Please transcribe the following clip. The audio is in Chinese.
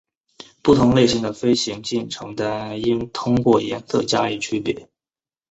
不同类型的飞行进程单应通过颜色加以区别。